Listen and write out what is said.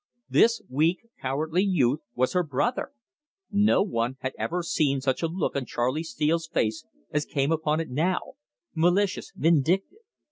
This weak, cowardly youth was her brother! No one had ever seen such a look on Charley Steele's face as came upon it now malicious, vindictive.